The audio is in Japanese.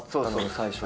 最初。